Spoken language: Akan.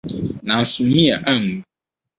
Nanso Mia anwu.